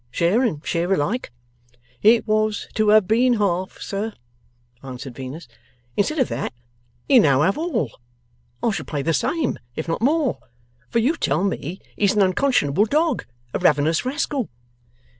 Share and share alike?' 'It was to have been half, sir,' answered Venus. 'Instead of that, he'll now have all. I shall pay the same, if not more. For you tell me he's an unconscionable dog, a ravenous rascal.